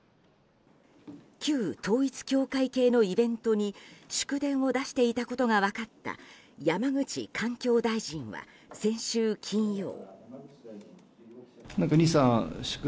旧統一教会系のイベントに祝電を出していたことが分かった山口環境大臣は先週金曜。